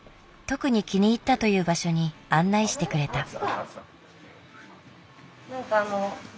特に気に入ったという場所に案内してくれた。